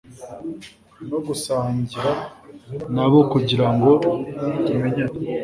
no gusangira na bo kugira ngo tumenyane